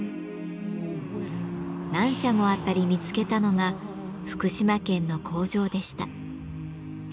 何社も当たり見つけたのが福島県の工場でした。